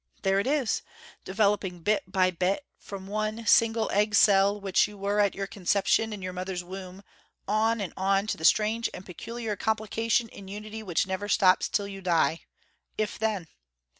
There it is, developing bit by bit, from one single egg cell which you were at your conception in your mother's womb, on and on to the strange and peculiar complication in unity which never stops till you die if then.